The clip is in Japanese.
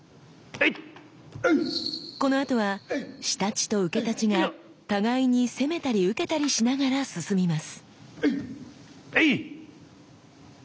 このあとは仕太刀と受太刀が互いに攻めたり受けたりしながら進みます。